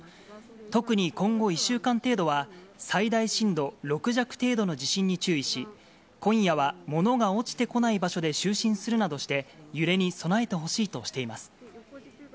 特に今後１週間程度は、最大震度６弱程度の地震に注意し、今夜は物が落ちてこない場所で就寝するなどして、揺れに備えてほしいとしています。